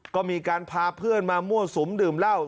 ก็มีการพาเพื่อนมามั่วสุมดื่มเหล้า